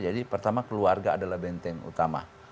jadi pertama keluarga adalah benteng utama